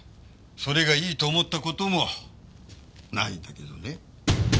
それがいいと思った事もないんだけどね。